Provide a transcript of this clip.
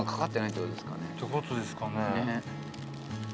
ってことですかね。